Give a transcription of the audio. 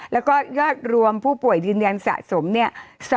แล้วก็ยอดรวมผู้ป่วยยืนยันสะสมเนี่ย